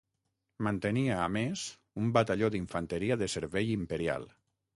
Mantenia a més un batalló d'infanteria de servei imperial.